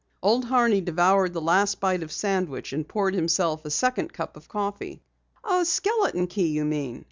Old Horney devoured the last bite of sandwich, and poured himself a second cup of coffee. "A skeleton key, you mean?"